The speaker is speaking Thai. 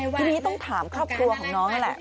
ทีนี้ต้องถามครอบครัวของน้องนั่นแหละ